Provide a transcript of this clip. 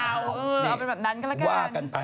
ถ้าหนึ่งฝากไปนั่นไหม